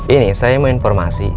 ini saya mau informasi